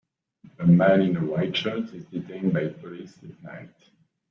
A man in a white shirt is detained by police at night.